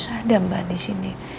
ada mbak disini